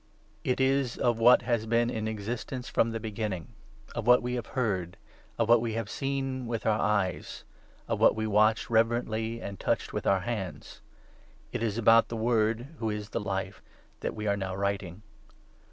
It is of what has been in existence from the i \ Manifested Beginning, of what we have heard, of what we have in Christ. & .1 e i ^11 seen with our eyes, ot what we watched reverently and touched with our hands — it is about the Word who is the Life that we are now writing.